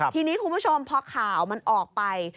ทีนี้คุณผู้ชมพอข่าวมันออกไป